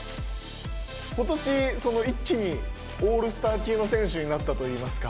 今年一気にオールスター級の選手になったといいますか。